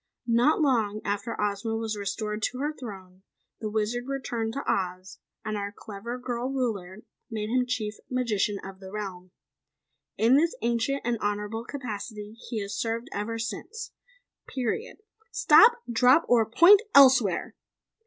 Not long after Ozma was restored to her throne, the Wizard returned to Oz and our clever girl ruler made him Chief Magician of the realm. In this ancient and honorable capacity he has served ever since, PERIOD STOP DROP OR POINT ELSEWHERE!"